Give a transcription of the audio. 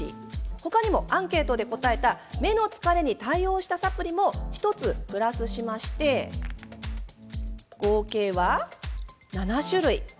他にも、アンケートで答えた目の疲れに対応したサプリも１つプラスして合計は７種類。